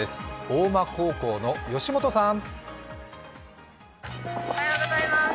大間高校の吉本さん。